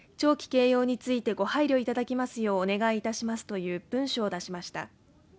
掲揚についてご配慮いただきますようお願いいたしますという文書を出しました